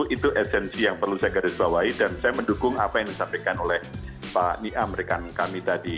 itu esensi yang perlu saya garis bawahi dan saya mendukung apa yang disampaikan oleh pak niam rekan kami tadi